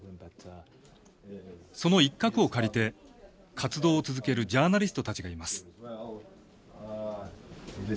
その一角を借りて活動を続けるジャーナリストたちがいます。